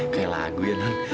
kayak lagu ya nan